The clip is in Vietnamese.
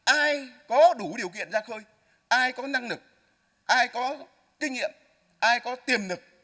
ai có đủ điều kiện ra khơi ai có năng lực ai có kinh nghiệm ai có tiềm lực